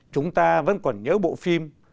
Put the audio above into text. chúng ta vẫn còn nhớ bộ phim